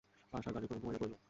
আশা গাড়ির কোণে ঘুমাইয়া পড়িল।